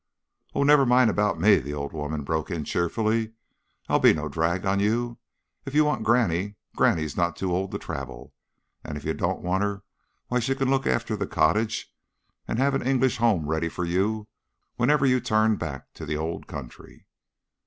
"Oh, never mind about me," the old woman broke in cheerfully. "I'll be no drag on you. If you want granny, granny's not too old to travel; and if you don't want her, why she can look after the cottage, and have an English home ready for you whenever you turn back to the old country."